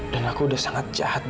terus aku datang nih lelia